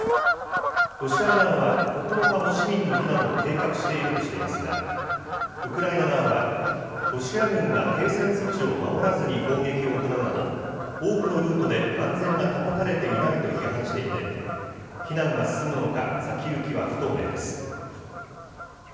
ロシア側は９日も市民の避難を計画しているとしていますが、ウクライナ側は、ロシア軍が停戦措置を守らずに砲撃を行うなど、多くのルートで安全が保たれていないと批判していて、避難が進むのか、先行きは不透明です。